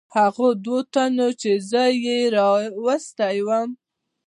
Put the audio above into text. هغو دوو تنو چې زه یې راوستی ووم.